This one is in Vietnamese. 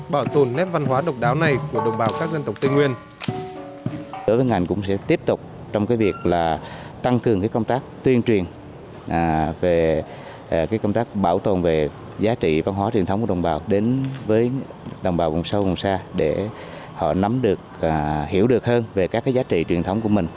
bảo tồn nét văn hóa độc đáo này của đồng bào các dân tộc tây nguyên